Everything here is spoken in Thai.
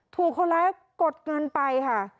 ถูกคนร้ายกดเงินไปค่ะ